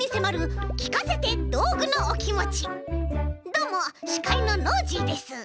どうもしかいのノージーです。